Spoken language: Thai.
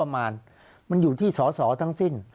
มันอยู่ที่สอสอทั้งสิ้น